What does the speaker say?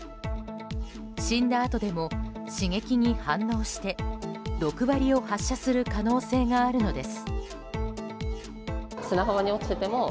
死んだあとでも刺激に反応して毒針を発射する可能性があるのです。